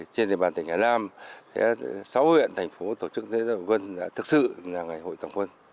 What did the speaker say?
trên địa bàn tỉnh hà nam sẽ xóa huyện thành phố tổ chức thế giới của quân thực sự là ngày hội tổng quân